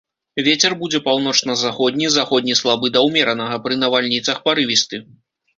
Вецер будзе паўночна-заходні, заходні слабы да ўмеранага, пры навальніцах парывісты.